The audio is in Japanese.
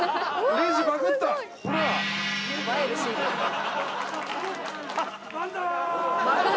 レジバグった。